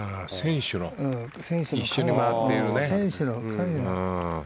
一緒に回っている選手のね。